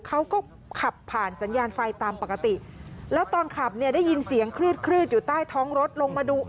เขาก็ขับผ่านสัญญาณไฟตามปกติแล้วตอนขับเนี่ยได้ยินเสียงคลืดคลืดอยู่ใต้ท้องรถลงมาดู